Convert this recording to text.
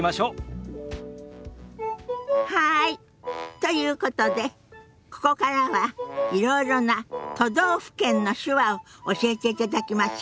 ということでここからはいろいろな都道府県の手話を教えていただきましょ。